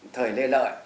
thời lê lợi